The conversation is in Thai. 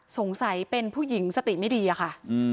สงสัยเป็นผู้หญิงสติไม่ดีอะค่ะ